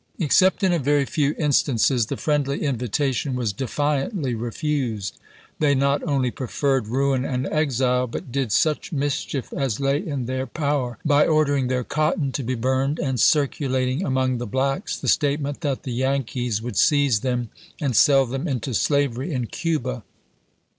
Ex cept in a very few instances the friendly invitation w. r. was defiantly refused. They not only preferred pp. 260, 222. ruin and exile, but did such mischief as lay in their 92 AEKAHAM LINCOLN CHAP. T. power by ordering their cotton to be burned and cii'culating among the blacks the statement that the Yankees would seize them, and sell them into slavery in Cuba.